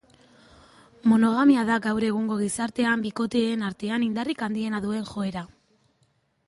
Monogamia da gaur egungo gizartean bikoteen artean indarrik handiena duen joera.